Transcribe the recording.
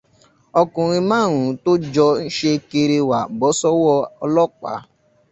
Ọkùnrin márùn-ún tó jọ ń ṣe kerewà bọ́ sọ́wọ́ Ọlọ́pàá.